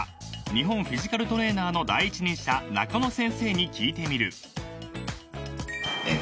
［日本フィジカルトレーナーの第一人者中野先生に聞いてみる］